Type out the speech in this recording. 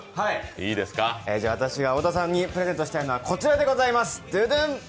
私が太田さんにプレゼントしたいのはこちらでございます。